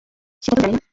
সেটা তো জানি না।